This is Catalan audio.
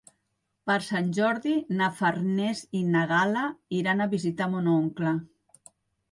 Per Sant Jordi na Farners i na Gal·la iran a visitar mon oncle.